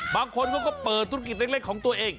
บางคนเขาก็เปิดธุรกิจเล็กของตัวเอง